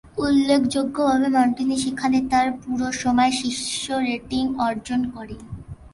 উল্লেখযোগ্যভাবে, মন্টিনি সেখানে তার পুরো সময় শীর্ষ রেটিং অর্জন করেন।